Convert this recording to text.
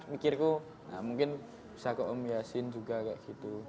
mikirku nah mungkin bisa ke om yasin juga kayak gitu